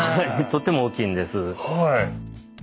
とっても大きいんです。